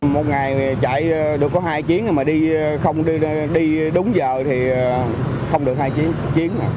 một ngày chạy được có hai chiến mà đi đúng giờ thì không được hai chiến